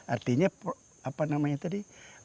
artinya apa namanya tadi